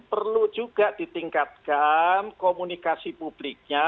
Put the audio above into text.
perlu juga ditingkatkan komunikasi publiknya